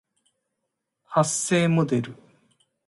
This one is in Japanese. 発声モデル